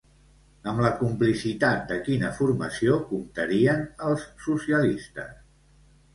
Amb la complicitat de quina formació comptarien els socialistes?